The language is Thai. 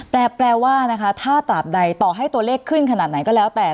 แต่แปลว่านะคะถ้าตราบใดต่อให้ตัวเลขขึ้นขนาดไหนก็แล้วแต่